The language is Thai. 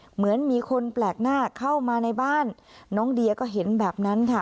เหมือนมีคนแปลกหน้าเข้ามาในบ้านน้องเดียก็เห็นแบบนั้นค่ะ